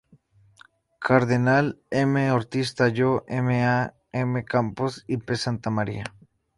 Cardenal, M. Ortiz-Tallo, M.ª M. Campos y P. Santamaría.